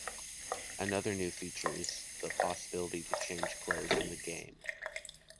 Another new feature is the possibility to change clothes in the game.